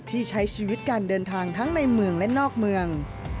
ที่ใช้ชีวิตการเดินทางทั้งในเมืองและนอกเมือง